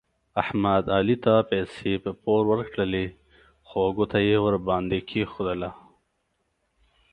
احمد علي ته پیسې په پور ورکړلې خو ګوته یې ور باندې کېښودله.